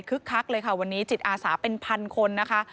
คักเลยค่ะวันนี้จิตอาสาเป็นพันคนนะคะ